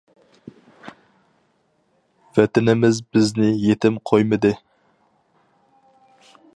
ۋەتىنىمىز بىزنى يېتىم قويمىدى.